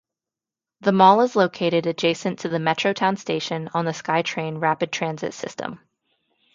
The mall is located adjacent to Metrotown Station on the SkyTrain rapid transit system.